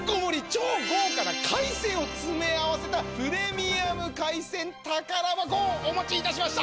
超豪華な海鮮を詰め合わせたプレミアム海鮮宝箱をお持ちいたしました。